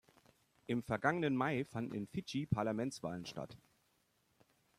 Im vergangenen Mai fanden in Fidschi Parlamentswahlen statt.